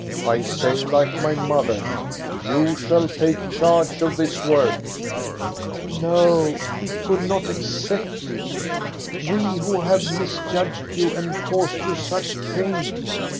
I say like my mother, * You shall take charge of this work !*"No, we could not accept it, — we who have mis judged you and caused you such pain